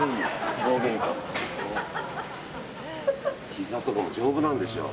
ひざとかも丈夫なんでしょう。